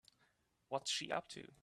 What's she up to?